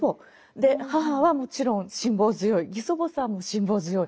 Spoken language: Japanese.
で母はもちろん辛抱強い義祖母さんも辛抱強い。